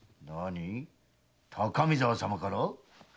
何⁉高見沢様から？